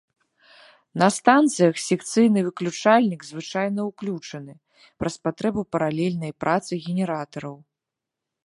На станцыях секцыйны выключальнік звычайна ўключаны, праз патрэбу паралельнай працы генератараў.